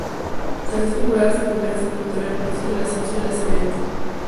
Tras dos temporadas en Primera Territorial consigue el ascenso a Preferente.